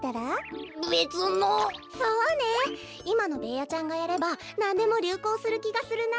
いまのベーヤちゃんがやればなんでもりゅうこうするきがするな。